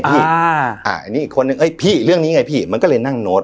อันนี้อีกคนนึงเอ้ยพี่เรื่องนี้ไงพี่มันก็เลยนั่งโน้ต